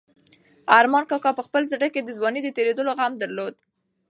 ارمان کاکا په خپل زړه کې د ځوانۍ د تېرېدو غم درلود.